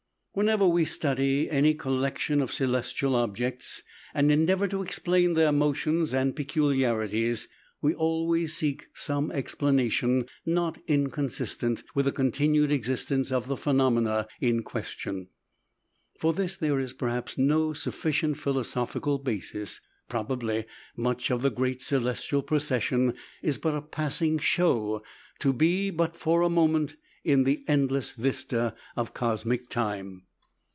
Whenever we study any collection of celestial objects, and endeavor to explain their motions and peculiarities, we always seek some explanation not inconsistent with the continued existence of the phenomena in question. For this there is, perhaps, no sufficient philosophical basis. Probably much of the great celestial procession is but a passing show, to be but for a moment in the endless vista of cosmic time.